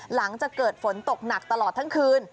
หลังจากเกิดฝนตกหนักตลอดทั้งคืน